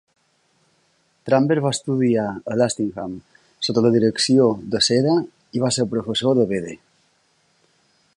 Trumbert va estudiar a Lastingham sota la direcció de Ceda, i va ser professor de Bede.